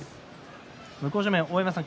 向正面の大山さん